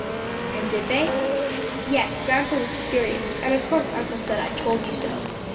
"And did they?" "Yes, grandpa was furious, and of course uncle said, 'I told you so.'